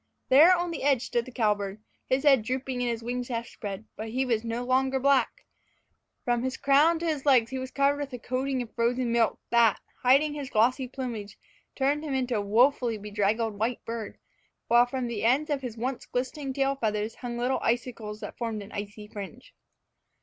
There on the edge stood the cowbird, his head drooping and his wings half spread. But he was no longer black. From his crown to his legs he was covered with a coating of frozen milk that, hiding his glossy plumage, turned him into a woefully bedraggled white bird; while from the ends of his once glistening tail feathers hung little icicles that formed an icy fringe.